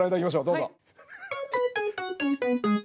どうぞ。